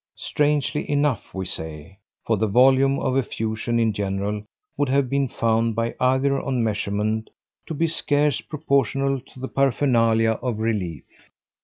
Strangely enough, we say, for the volume of effusion in general would have been found by either on measurement to be scarce proportional to the paraphernalia of relief.